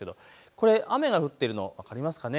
これ、雨が降っているの分かりますかね。